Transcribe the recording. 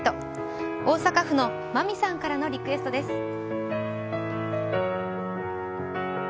大阪府のまみさんからのリクエストです。